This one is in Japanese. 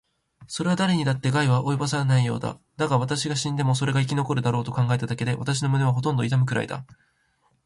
それはだれにだって害は及ぼさないようだ。だが、私が死んでもそれが生き残るだろうと考えただけで、私の胸はほとんど痛むくらいだ。